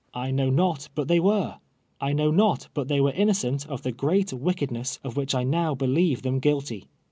I know not but they were. I know not hut they were innocent of the great wick edness of which I now believe them guilty.